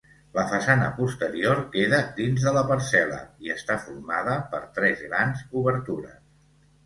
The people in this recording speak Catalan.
La façana posterior queda dins de la parcel·la i està formada per tres grans obertures.